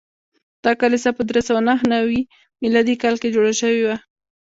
دا کلیسا په درې سوه نهه نوي میلادي کال کې جوړه شوې وه.